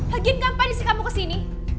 lagi ngapain sih kamu ke sini